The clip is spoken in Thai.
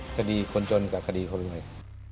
คดีคนจนกับคดีคนรวย